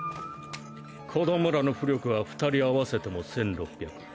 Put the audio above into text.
子どもらの巫力は２人合わせても１６００。